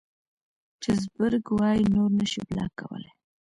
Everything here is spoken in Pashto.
چې زبرګ وائي نور نشې بلاک کولے